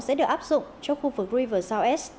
sẽ được áp dụng cho khu vực river south